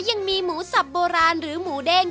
ยังมีหมูสับโบราณหรือหมูเด้ง